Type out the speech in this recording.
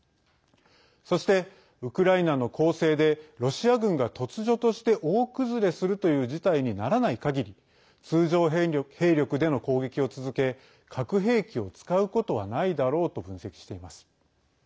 そして、ウクライナの攻勢でロシア軍が突如として大崩れするという事態にならないかぎり通常兵力での攻撃を続け核兵器を使うことはないだろうと分析しています。